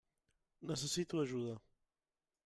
Necessito ajuda.